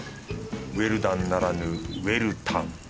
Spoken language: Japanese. ウェルダンならぬウェルタン。